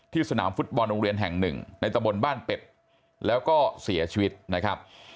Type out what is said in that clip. สนามฟุตบอลโรงเรียนแห่งหนึ่งในตะบนบ้านเป็ดแล้วก็เสียชีวิตนะครับ